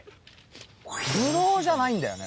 ⁉ブドウじゃないんだよね